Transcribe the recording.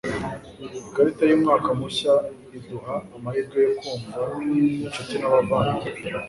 Ikarita yumwaka mushya iduha amahirwe yo kumva inshuti n'abavandimwe